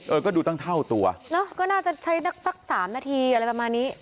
เออก็ดูตั้งเท่าตัวเนอะก็น่าจะใช้นักสักสามนาทีอะไรประมาณนี้